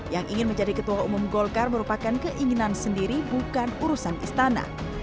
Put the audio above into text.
yang ingin menjadi ketua umum golkar merupakan keinginan sendiri bukan urusan istana